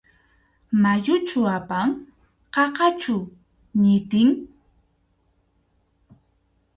¿Mayuchu apan?, ¿qaqachu ñitin?